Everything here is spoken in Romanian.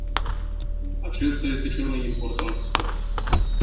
Acesta este cel mai important aspect.